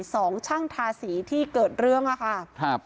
สองช่างทาสีที่เกิดเรื่องอะค่ะครับ